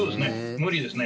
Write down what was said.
無理ですね。